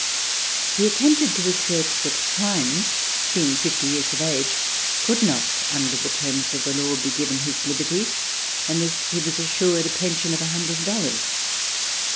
He attempted to assert that Prime, being fifty years of age, could not under the terms of the law be given his liberty unless he was assured a pension of a hundred dollars.